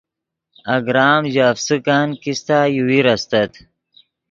اگرام ژے افسکن کیستہ یوویر استت